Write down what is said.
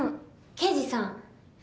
刑事さん。